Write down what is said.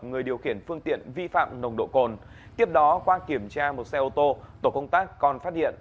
người điều khiển phương tiện vi phạm nồng độ cồn tiếp đó qua kiểm tra một xe ô tô tổ công tác còn phát hiện